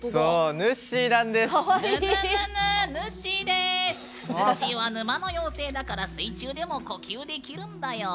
ぬっしーは沼の妖精だから水中でも呼吸できるんだよ。